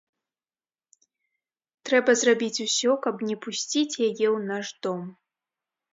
Трэба зрабіць усё, каб не пусціць яе ў наш дом.